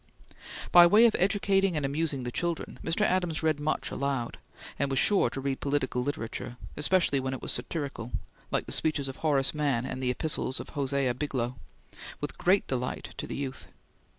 By way of educating and amusing the children, Mr. Adams read much aloud, and was sure to read political literature, especially when it was satirical, like the speeches of Horace Mann and the "Epistles" of "Hosea Biglow," with great delight to the youth.